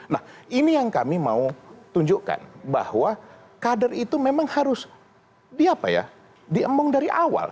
nah ini yang kami mau tunjukkan bahwa kader itu memang harus diemong dari awal